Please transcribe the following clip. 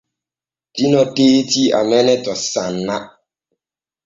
Tino teeti amene to sanna.